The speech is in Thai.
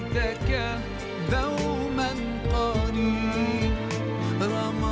สวัสดีครับ